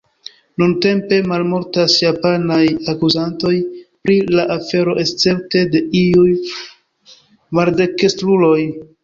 Nuntempe malmultas japanaj akuzantoj pri la afero escepte de iuj maldekstruloj.